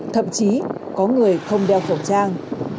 thậm chí có người không đeo khẩu trang